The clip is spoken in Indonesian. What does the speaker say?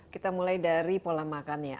kita mulai dari pola makannya